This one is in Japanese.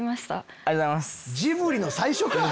ありがとうございます！